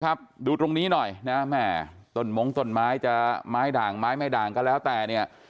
ดูตรงนี้หน่อยนะแม่ต้นมงต้นไม้จะไม้ด่างไม้ไม่ด่างก็แล้วแต่เนี่ย